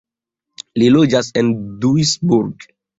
Li loĝas en Duisburg.